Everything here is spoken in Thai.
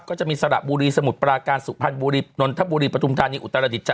ก็จะมีสระบุรีสมุทรปราการสุพรรณบุรีนนทบุรีประทุมธานีอุตรฐรดิจจะ